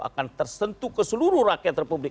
akan tersentuh ke seluruh rakyat republik